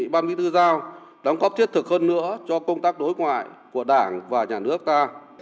ban bí thư giao đóng góp thiết thực hơn nữa cho công tác đối ngoại của đảng và nhà nước ta